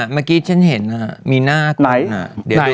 เมื่อกี้ฉันเห็นมีหน้าไตล์